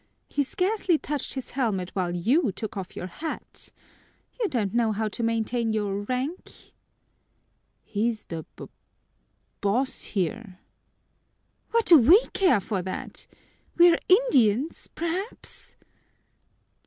"He scarcely touched his helmet while you took off your hat. You don't know how to maintain your rank!" "He's the b boss here!" "What do we care for that? We are Indians, perhaps?"